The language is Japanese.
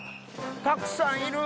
たくさんいる！